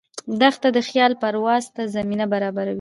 دښته د خیال پرواز ته زمینه برابروي.